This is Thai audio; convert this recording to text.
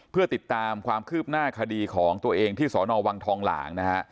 เพื่อติดตามความคืบหน้าคดีของตัวเองที่สอนอวังทองหลางนะฮะ